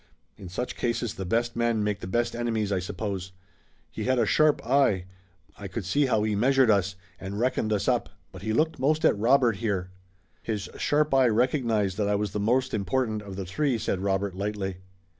In such cases the best men make the best enemies, I suppose. He had a sharp eye. I could see how he measured us, and reckoned us up, but he looked most at Robert here." "His sharp eye recognized that I was the most important of the three," said Robert lightly.